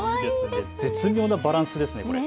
絶妙なバランスですね。